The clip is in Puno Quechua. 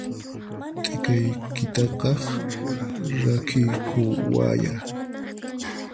T'ikaykitaqa rakiykuwayyá!